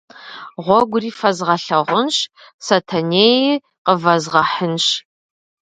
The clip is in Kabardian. Гъуэгури фэзгъэлъагъунщ, Сэтэнеи къывэзгъэхьынщ.